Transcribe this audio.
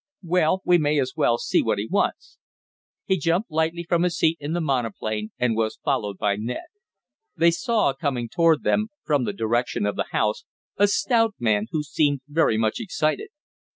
Well, we may as well see what he wants." He jumped lightly from his seat in the monoplane and was followed by Ned. They saw coming toward them, from the direction of the house, a stout man, who seemed very much excited.